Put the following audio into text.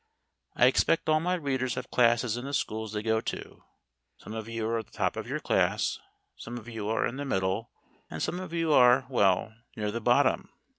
I expect all my readers have classes in the schools they go to. Some of you are at the top of your class, some of you are in the middle, and some of you are well near the bottom.